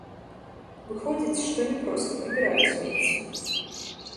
Выходзіць, што не проста прыбіраюць смецце.